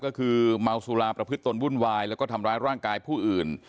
ก็คือเมาสุราประพฤติตนวุ่นวายแล้วก็ทำร้ายร่างกายผู้อื่น